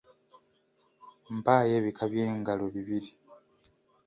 Mpaayo ebika by’engalo bibiri.